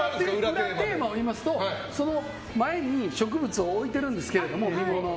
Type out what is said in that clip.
裏テーマを言いますと前に植物を置いているんですけど。